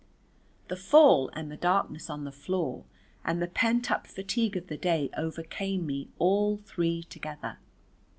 The fall, and the darkness on the floor and the pent up fatigue of the day overcame me all three together.